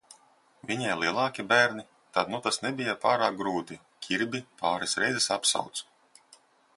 Viņai lielāki bērni, tad nu tas nebija pārāk grūti, Ķirbi pāris reizes apsaucu.